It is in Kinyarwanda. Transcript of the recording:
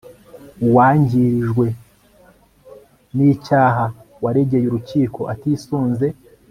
Uwangirijwe n icyaha waregeye urukiko atisunze